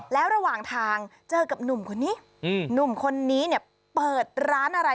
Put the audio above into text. แล้วระหว่างทางเจอกับหนุ่มคนนี้หนุ่มคนนี้เนี่ยเปิดร้านอะไร